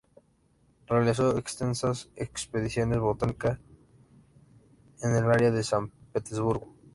Realizó extensas expediciones botánicas en el área de San Petersburgo.